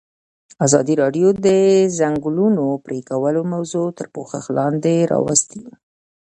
ازادي راډیو د د ځنګلونو پرېکول موضوع تر پوښښ لاندې راوستې.